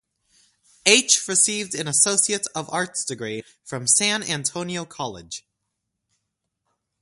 H received an Associate of Arts degree from San Antonio College.